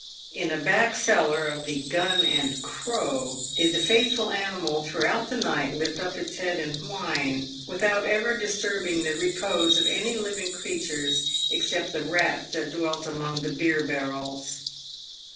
In a back cellar of the " Gun and Crow" did the faithful animal throughout the night lift up its head and whine without ever disturb ing the repose of any living creatures except the rats that dwelt among the beer barrels.